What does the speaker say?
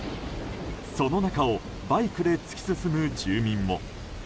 その中をバイクで突き進む住民も。